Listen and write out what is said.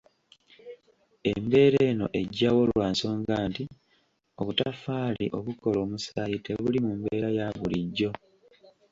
Embeera eno ejjawo lwa nsonga nti obutaffaali obukola omusaayi tebuli mu mbeera ya bulijjo.